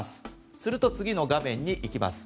すると、次の画面に行きます。